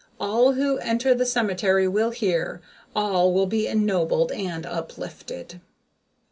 All who enter the cemetery will hear; all will be ennobled and uplifted."